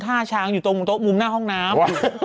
ท่าช้างอยู่ตรงมุมข้างหน้าห้องน้ำ